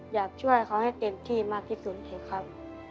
อยากช่วยเขาให้เต็มที่มาพิสูจน์ให้ครับ